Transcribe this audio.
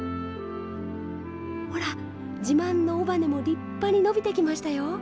ほら自慢の尾羽も立派に伸びてきましたよ。